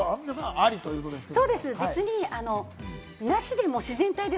ありということですけど。